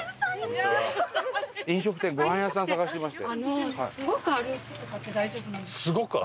飲食店ごはん屋さん探してまして。